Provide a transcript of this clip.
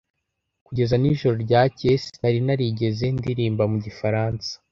Kugeza nijoro ryakeye sinari narigeze ndirimba mu gifaransa